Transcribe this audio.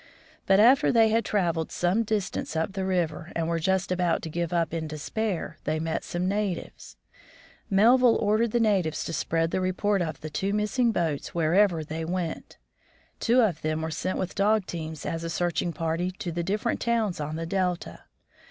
But after they had trav eled some distance up the river, and were just about to give up in despair, they met some natives. Melville ordered the natives to spread the report of the two missing boats wherever they went. Two of them were sent with dog teams as a searching party to the different towns on the delta.